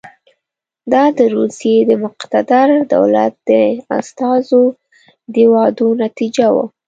دا د روسیې د مقتدر دولت د استازو د وعدو نتیجه وه.